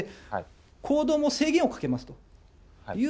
行動も制限をかけますと。